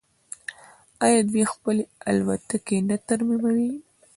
آیا دوی خپلې الوتکې نه ترمیموي؟